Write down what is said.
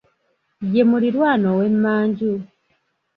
Ye muliraanwa ow'emmanju.